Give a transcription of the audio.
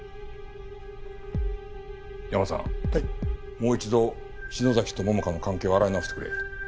もう一度篠崎と桃花の関係を洗い直してくれ。